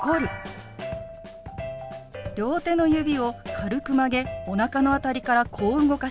両手の指を軽く曲げおなかの辺りからこう動かします。